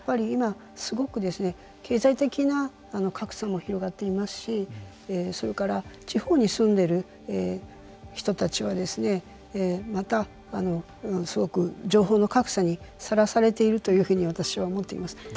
今、すごく経済的な格差も広がっていますしそれから地方に住んでる人たちはまた、すごく情報の格差にさらされているというふうに私は思っています。